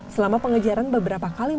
selama pengejaran beberapa kali